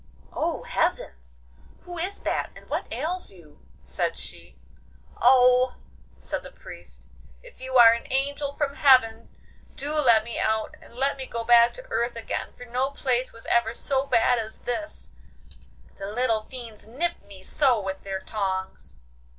'Oh, heavens! who is that, and what ails you?' said she. 'Oh,' said the Priest, 'if you are an angel from heaven do let me out and let me go back to earth again, for no place was ever so bad as this—the little fiends nip me so with their tongs.